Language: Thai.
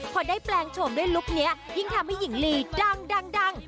พอได้แปลงโฉมด้วยลุคนี้ยิ่งทำให้หญิงลีดัง